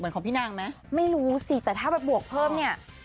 ของพี่นางไหมไม่รู้สิแต่ถ้าแบบบวกเพิ่มเนี่ย